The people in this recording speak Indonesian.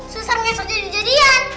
susah ngesel jadian jadian